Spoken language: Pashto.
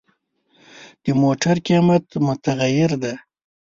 د موټر قیمت متغیر دی.